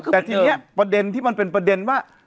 แต่ทีนี้ประเด็นที่มันเป็นประเด็นว่า